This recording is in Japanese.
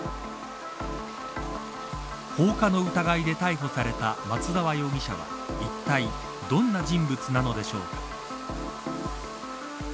放火の疑いで逮捕された松沢容疑者はいったいどんな人物なのでしょうか。